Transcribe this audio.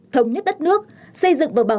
thống nhất đất nước xây dựng vận động